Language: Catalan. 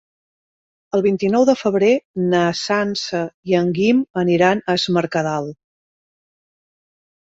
El vint-i-nou de febrer na Sança i en Guim aniran a Es Mercadal.